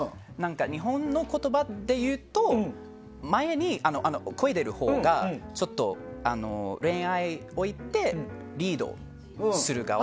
日本の言葉っていうと前で漕いでいるほうがちょっと、恋愛においてリードする側。